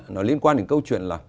nó liên quan đến câu chuyện